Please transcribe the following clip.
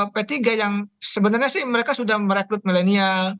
p tiga yang sebenarnya sih mereka sudah merekrut milenial